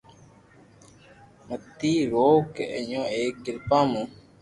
متي روڪ اينو ايڪ ڪريا مون